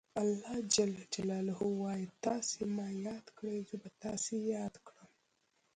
الله ج وایي تاسو ما یاد کړئ زه به تاسې یاد کړم.